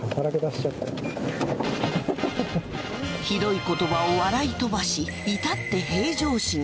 ひどい言葉を笑い飛ばし至って平常心。